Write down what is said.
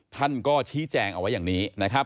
ท่านก็ชี้แจงเอาไว้อย่างนี้นะครับ